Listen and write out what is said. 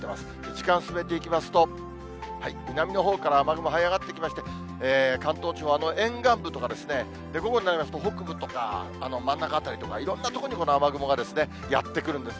時間進めていきますと、南のほうから雨雲はい上がってきまして、関東地方は沿岸部とか、午後になりますと北部とか、真ん中辺りとか、いろんな所に雨雲がやって来るんです。